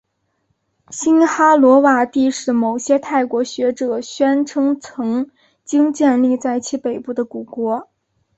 辛哈罗瓦帝是某些泰国学者宣称曾经建立在其北部的古国。